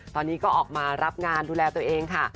ตอนนี้ก็ออกมารับงานดูแลตัวเองค่ะ